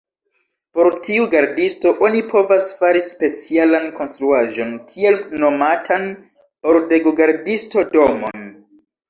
Por tiu gardisto oni povas fari specialan konstruaĵon, tiel nomatan pordego-gardisto-domon.